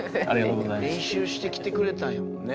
練習してきてくれたんやもんね。